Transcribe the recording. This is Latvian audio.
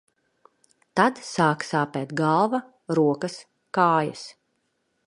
Tad sāka sāpēt galva, rokas, kājas.